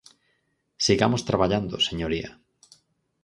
Sigamos traballando, señoría.